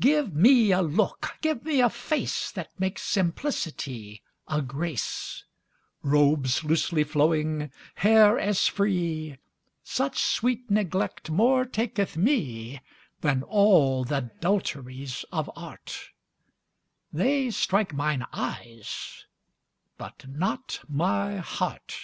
Give me a look, give me a face That makes simplicity a grace; Robes loosely flowing, hair as free: Such sweet neglect more taketh me 10 Than all th' adulteries of art; They strike mine eyes, but not my heart.